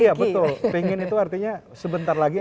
iya betul pengen itu artinya sebentar lagi